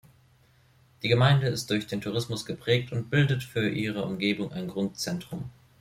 Die Gemeinde ist durch den Tourismus geprägt und bildet für ihre Umgebung ein Grundzentrum.